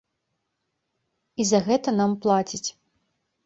І за гэта нам плацяць.